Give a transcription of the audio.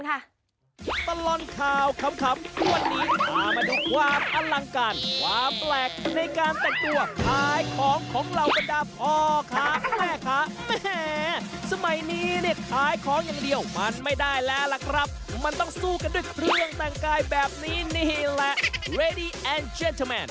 ตลอดข่าวขำวันนี้มาดูความอลังการความแปลกในการแต่งตัว